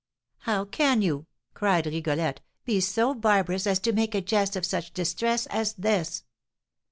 "How can you," cried Rigolette, "be so barbarous as to make a jest of such distress as this?"